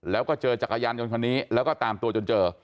แล้วก็เจอจักรยานยนต์คันนี้แล้วก็ตามตัวจนเจอ